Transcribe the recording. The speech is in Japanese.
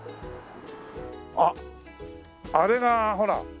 あっあれがほら。